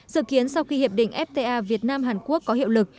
dự kiến sau khi hiệp định fta việt nam hàn quốc có hiệu lực